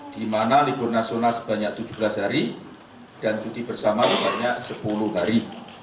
di mana libur nasional sebanyak tujuh belas hari dan cuti bersama sebanyak sepuluh hari